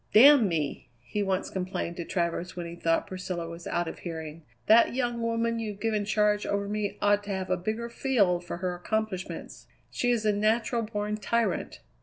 "Damn me!" he once complained to Travers when he thought Priscilla was out of hearing; "that young woman you've given charge over me ought to have a bigger field for her accomplishments. She's a natural born tyrant.